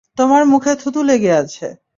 তোমার মুখে থু থু লেগে আছে।